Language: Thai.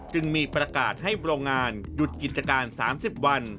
จึงมีประกาศให้โรงงานหยุดกิจการ๓๐วัน